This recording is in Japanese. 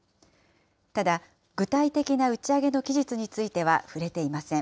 ただ、具体的な打ち上げの期日については触れていません。